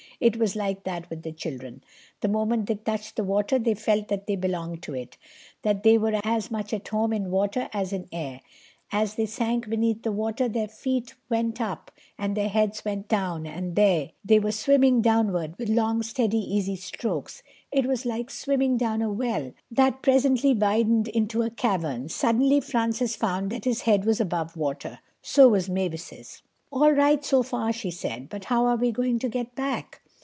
It was like that with the children. The moment they touched the water they felt that they belonged in it—that they were as much at home in water as in air. As they sank beneath the water their feet went up and their heads went down, and there they were swimming downward with long, steady, easy strokes. It was like swimming down a well that presently widened to a cavern. Suddenly Francis found that his head was above water. So was Mavis's. "All right so far," she said, "but how are we going to get back?"